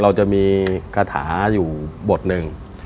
เราจะมีคาถาอยู่บทหนึ่ง